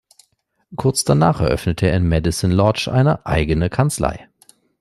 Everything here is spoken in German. Kurz danach eröffnete er in Medicine Lodge eine eigene Kanzlei.